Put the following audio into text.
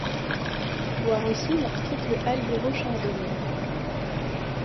Voir aussi l’article Alghero Chardonnay.